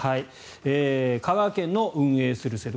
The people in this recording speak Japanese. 香川県が運営する制度。